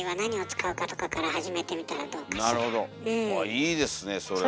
いいですねえそれは。